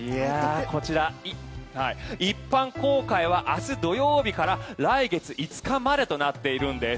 こちら一般公開は明日土曜日から来月５日までとなっているんです。